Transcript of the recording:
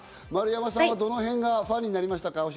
丸山さんはどのへんがファンになりましたか？